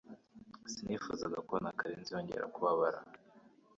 Sinifuzaga kubona Karenzi yongera kubabara